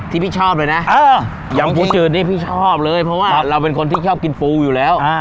พี่ชอบเลยนะอย่างกูจืดนี่พี่ชอบเลยเพราะว่าเราเป็นคนที่ชอบกินปูอยู่แล้ว